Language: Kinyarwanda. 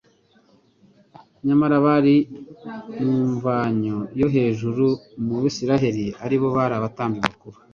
Nyamara abari mu mvanya yo hejuru mu Bisiraeli ari bo batambyi bakuru,